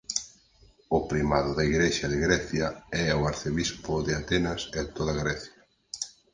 O primado da Igrexa de Grecia é o arcebispo de Atenas e toda Grecia.